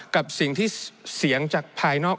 กับสิ่งที่เสียงจากภายนอก